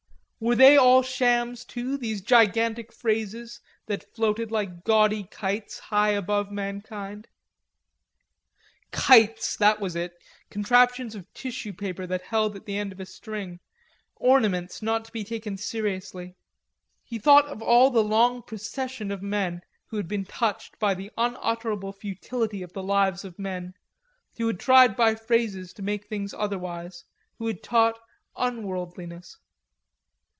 Were they all shams, too, these gigantic phrases that floated like gaudy kites high above mankind? Kites, that was it, contraptions of tissue paper held at the end of a string, ornaments not to be taken seriously. He thought of all the long procession of men who had been touched by the unutterable futility of the lives of men, who had tried by phrases to make things otherwise, who had taught unworldliness.